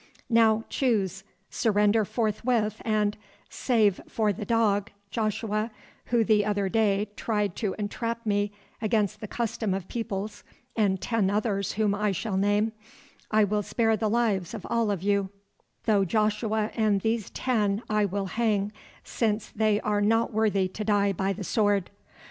"'Now, choose—surrender forthwith and, save for the dog, Joshua, who the other day tried to entrap me against the custom of peoples, and ten others whom I shall name, I will spare the lives of all of you, though Joshua and these ten I will hang, since they are not worthy to die by the sword.